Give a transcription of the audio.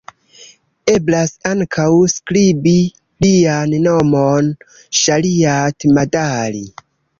Eblas ankaŭ skribi lian nomon Ŝariat-Madari.